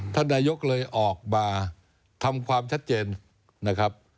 ท่านนายกเลยออกมาทำความชัดเจนนะครับ